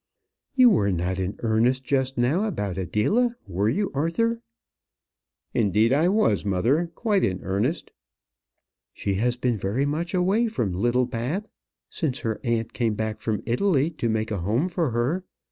"You were not in earnest just now about Adela, were you, Arthur?" "Indeed I was, mother; quite in earnest." "She has been very much away from Littlebath since her aunt came back from Italy to make a home for her.